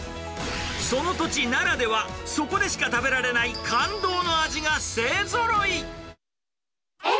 その土地ならでは、そこでしか食べられない感動の味が勢ぞろい。